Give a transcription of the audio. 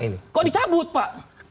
dia dicabut pak